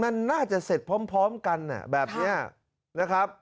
มันน่าจะเสร็จพร้อมกันแบบนี้นะครับ